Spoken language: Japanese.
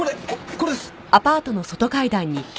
これです！